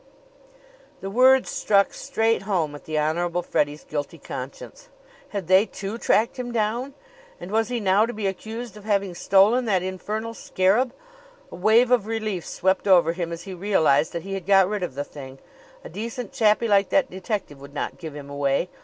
The words struck straight home at the Honorable Freddie's guilty conscience. Had they, too, tracked him down? And was he now to be accused of having stolen that infernal scarab? A wave of relief swept over him as he realized that he had got rid of the thing. A decent chappie like that detective would not give him away.